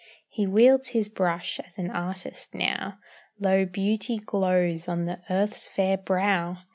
He wields his brush as an artist now; Lo beauty glows on the earth's fair brow!